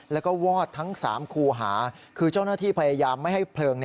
แล้วก็วอดทั้ง๓คูหาคือเจ้าหน้าที่พยายามไม่ให้เพลิง